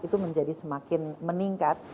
itu menjadi semakin meningkat